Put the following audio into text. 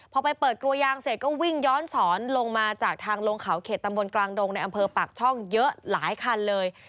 พอไปเปิดกลัวยางเสร็จก็วิ่งย้อนสอนลงมาจากทางลงเขาเขตตำบลกลางดงในอำเภอปากช่องเยอะหลายคันเลย